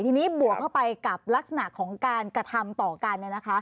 ทีนี้บวกเข้าไปกับลักษณะของการกระทำต่อกัน